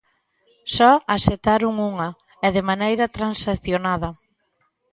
Só aceptaron unha, e de maneira transacionada.